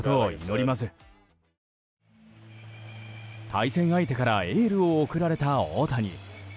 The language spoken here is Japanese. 対戦相手からエールを送られた大谷。